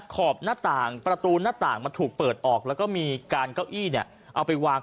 ขอบหน้าต่างประตูหน้าต่างมันถูกเปิดออกแล้วก็มีการเก้าอี้เนี่ยเอาไปวาง